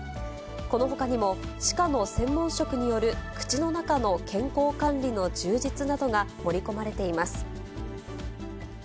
このほかにも歯科の専門職による口の中の健康管理の充実などが盛り込まれています。